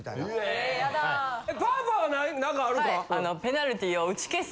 パーパーは何かあるんか？